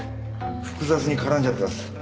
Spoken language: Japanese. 複雑に絡んじゃってます。